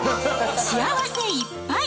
幸せいっぱい！